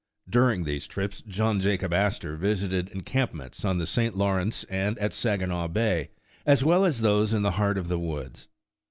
During these trips John Jacob Astor visited encampments on the St. Lawrence and at Saginaw Bay, as well as those in the heart of the woods.